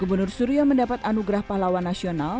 gubernur suryo mendapat anugerah pahlawan nasional